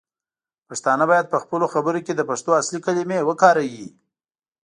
پښتانه باید پخپلو خبرو کې د پښتو اصلی کلمې وکاروي.